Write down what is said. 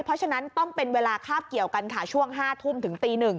เพราะฉะนั้นต้องเป็นเวลาคาบเกี่ยวกันค่ะช่วง๕ทุ่มถึงตี๑